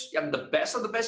yang terbaik dari terbaik